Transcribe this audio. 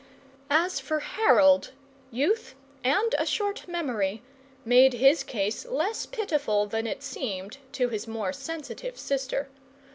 As for Harold, youth and a short memory made his case less pitiful than it seemed to his more sensitive sister.